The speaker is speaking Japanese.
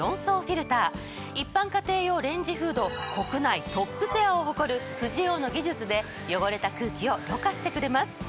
一般家庭用レンジフード国内トップシェアを誇るフジオーの技術で汚れた空気をろ過してくれます。